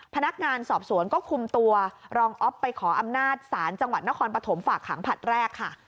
พนักงานสอบสวนก็คุมตัวรองอ๊อฟไปขออำนาจศาลจังหวัดนครปฐมฝากขังผลัดแรกค่ะ